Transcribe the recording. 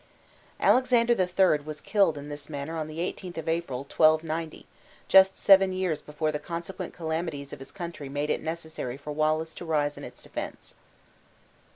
" Alexander III. was killed in this manner on the 18th of April, 1290, just seven years before the consequent calamities of his country made it necessary for Wallace to rise in its defense.